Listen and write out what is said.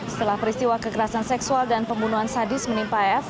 setelah peristiwa kekerasan seksual dan pembunuhan sadis menimpa f